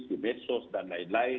di medsos dan lain lain